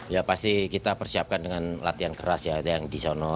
ya pasti kita persiapkan dengan latihan keras ya ada yang di sana